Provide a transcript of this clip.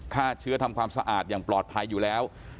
ฆ่าเชื้อทำความสะอาดอย่างปลอดภัยอยู่แล้ว